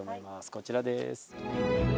こちらです。